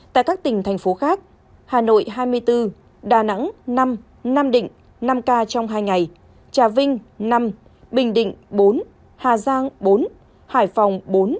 tại các tỉnh thành phố khác hà nội hai mươi bốn đà nẵng năm nam định năm ca trong hai ngày trà vinh năm bình định bốn hà giang bốn hải phòng bốn